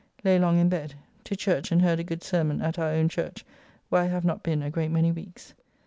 Lay long in bed. To church and heard a good sermon at our own church, where I have not been a great many weeks.